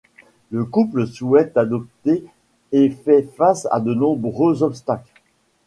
Le couple souhaite adopter et fait face à de nombreux obstacles.